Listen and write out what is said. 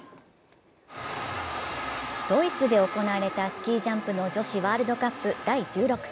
ドイツで行われたスキージャンプの女子ワールドカップ第１６戦。